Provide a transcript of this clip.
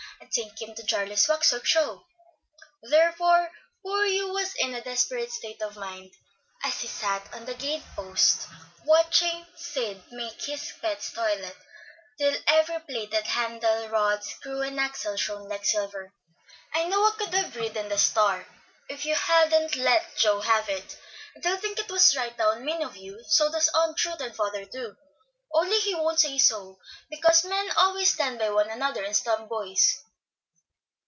I'd take him to Jarley's Wax work Show." Therefore poor Hugh was in a desperate state of mind as he sat on the gate post watching Sid make his pet's toilet, till every plated handle, rod, screw, and axle shone like silver. "I know I could have ridden the Star if you hadn't let Joe have it. I do think it was right down mean of you; so does Aunt Ruth, and father too, only he wont say so, because men always stand by one another, and snub boys."